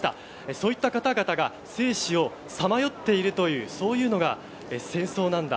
そういった方々が生死をさまよっているというそういうのが戦争なんだ